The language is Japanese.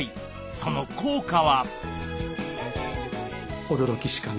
その効果は？